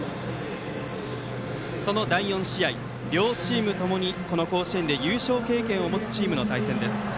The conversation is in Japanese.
その第４試合、両チームともにこの甲子園で優勝経験を持つチームの対戦です。